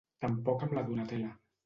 Tampoc amb la Donatella.